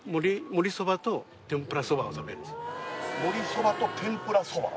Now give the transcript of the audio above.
もりそばと天ぷらそば？